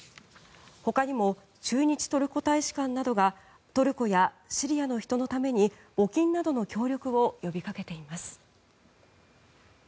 ほかにも駐日トルコ大使館などがトルコやシリアの人のために募金などの協力を呼びかけています。